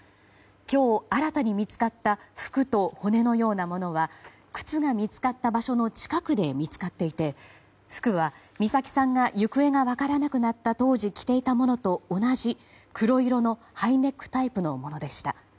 今日、新たに見つかった服と骨のようなものは靴が見つかった場所の近くで見つかっていて服は美咲さんが行方が分からなくなった当時着ていたものと同じ黒色のハイネックタイプのものでした。